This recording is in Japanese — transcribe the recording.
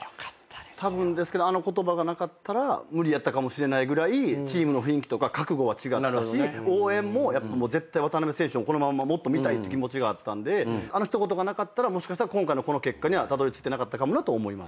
たぶんですけどあの言葉がなかったら無理やったかもしれないぐらいチームの雰囲気とか覚悟は違ったし応援も渡邊選手をこのまんまもっと見たいって気持ちがあったんであの一言がなかったら今回のこの結果にはたどりついてなかったかもなと。